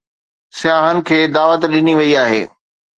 سياحن کي دعوت ڏني وئي آهي